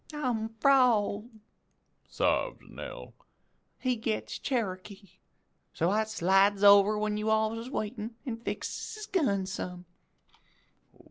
"'I'm 'frald,' sobs Nell, 'he gets Cherokee; so I slides over when you alls is waitin' an' fixes his gun some.'